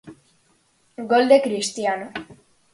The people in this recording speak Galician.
Gol de Cristiano.